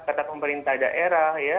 kata pemerintah daerah ya